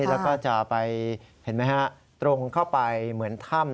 แล้วก็จะไปเห็นไหมฮะตรงเข้าไปเหมือนถ้ำ